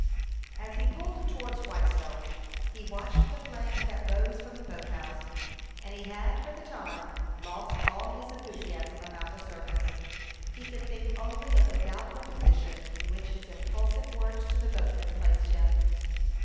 As he pulled towards Whitestone, he watched the flames that rose from the boat house; and he had, for the time, lost all his enthusiasm about the circus. He could think only of the doubtful position in which his impulsive words to the boatman placed him.